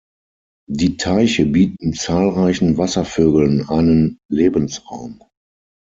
Die Teiche bieten zahlreichen Wasservögeln einen Lebensraum.